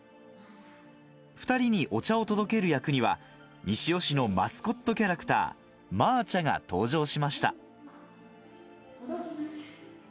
２人にお茶を届ける役には、西尾市のマスコットキャラクター、まーちゃが登場しました。